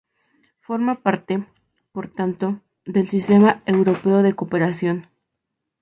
Forma parte, por tanto, del sistema europeo de cooperación.